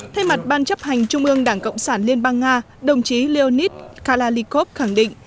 thay mặt ban chấp hành trung ương đảng cộng sản liên bang nga đồng chí leonid kalashnikov khẳng định